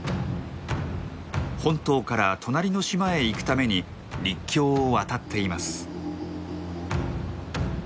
本島から隣の島へ行くために陸橋を渡っています。